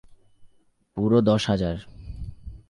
পুরো দশ হাজার।